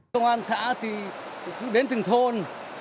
công an xã thì đến từng thôn